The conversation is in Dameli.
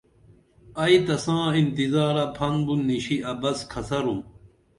ائی تساں انتظارہ پھن بُن نشی ابس کھسرُم